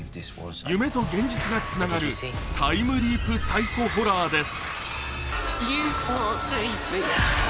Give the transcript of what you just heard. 夢と現実がつながるタイムリープ・サイコ・ホラーです。